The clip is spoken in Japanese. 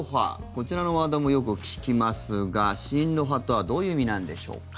こちらのワードもよく聞きますが親ロ派とはどういう意味なんでしょうか。